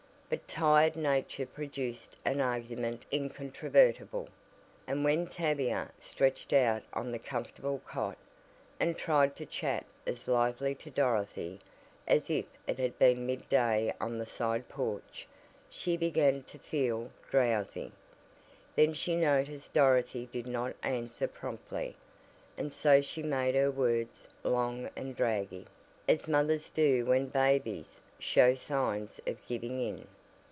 But tired nature produced an argument incontrovertible, and when Tavia stretched out on the comfortable cot, and tried to chat as lively to Dorothy as if it had been mid day on the side porch, she began to feel drowsy, then she noticed Dorothy did not answer promptly, and so she made her words "long and draggy" as mothers do when babies show signs of "giving in."